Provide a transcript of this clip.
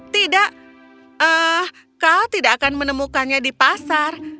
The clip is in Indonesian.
tidak kau tidak akan menemukannya di pasar